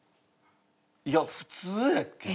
いや普通やけど。